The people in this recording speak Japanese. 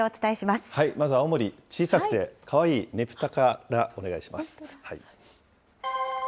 まず青森、小さくてかわいいねぷたからお願いします。